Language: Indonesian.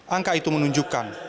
angka itu menunjukkan